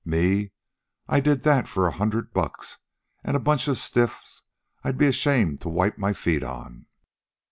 ME I did that for a hundred bucks an' a bunch of stiffs I'd be ashamed to wipe my feet on.